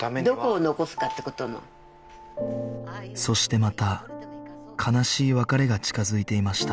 そしてまた悲しい別れが近づいていました